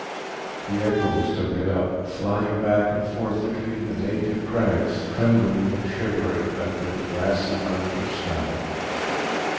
The echoes took it up, flying back and forth between the naked crags, trembling and shivering under the brassy arch of sky.